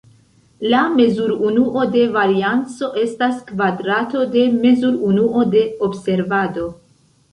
La mezurunuo de varianco estas kvadrato de mezurunuo de observado.